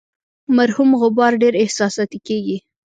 مرحوم غبار ډیر احساساتي کیږي.